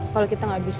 kalau kita gak bisa